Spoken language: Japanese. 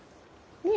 ねえ。